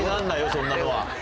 そんなのは。